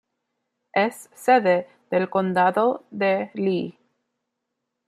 Es sede del condado de Lee.